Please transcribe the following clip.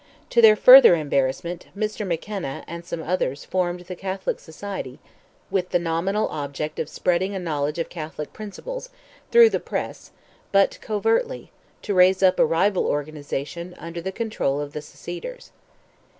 To their further embarrassment, Mr. McKenna and some others formed "the Catholic Society," with the nominal object of spreading a knowledge of Catholic principles, through the press, but covertly, to raise up a rival organization, under the control of the seceders.